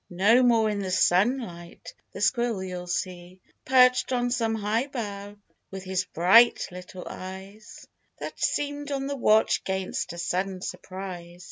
Ho more in the sunlight the squirrel you'll see, Perched on some high bough, with his bright little eyes, That seemed on the watch 'gainst a sudden surprise.